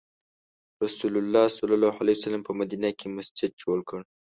رسول الله په مدینه کې مسجد جوړ کړ.